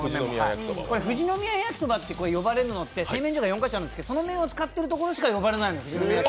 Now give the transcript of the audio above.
富士宮やきそばって呼ばれるのって製麺所が４か所あるんですけどその麺を使っているところしか呼ばれないの。